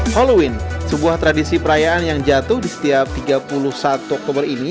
halloween sebuah tradisi perayaan yang jatuh di setiap tiga puluh satu oktober ini